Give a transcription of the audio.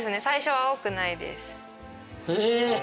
最初は青くないです。